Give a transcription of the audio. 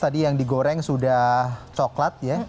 tadi yang digoreng sudah coklat ya